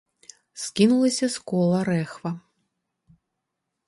Скінулася з кола рэхва.